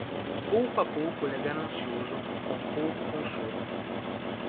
Pouco a pouco ele é ganancioso, com pouco consolo.